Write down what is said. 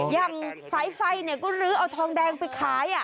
ยังไฟก็ลื้อเอาทองแดงไปขาย